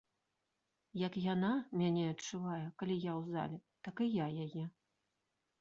Як яна мяне адчувае, калі я ў зале, так і я яе.